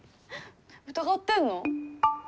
疑ってんの？